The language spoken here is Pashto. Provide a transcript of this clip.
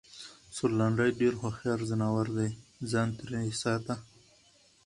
سورلنډی ډېر هوښیار ځناور دی٬ ځان ترې ساته!